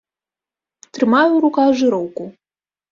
Трымаю ў руках жыроўку.